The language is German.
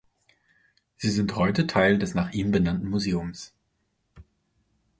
Sie sind heute Teil des nach ihm benannten Museums.